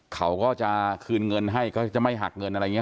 เขาก็จะคืนเงินให้ก็จะไม่หักเงินอะไรอย่างนี้